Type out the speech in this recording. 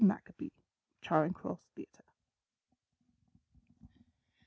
Maccabe, Charing Cross Theatre."